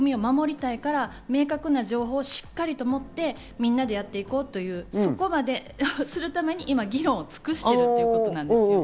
それはつまり、逆に言えば国民を守りたいから、明確な情報をしっかりと持って、みんなでやろうという、そこまでするために今議論を尽くしているということですね。